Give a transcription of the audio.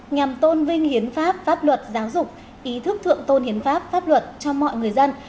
nhằm tôn vinh hiến pháp pháp luật giáo dục ý thức thượng tôn hiến pháp pháp luật cho mọi người dân